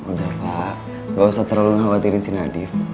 udah pak gak usah terlalu khawatirin si nadif